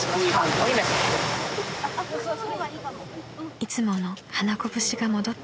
［いつもの花子節が戻って］